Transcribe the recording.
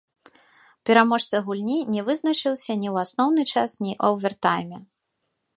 Пераможца гульні не вызначыўся ні ў асноўны час, ні ў авертайме.